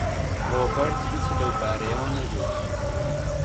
ڕۆبەرت هیچی لەو بارەیەوە نەگوت.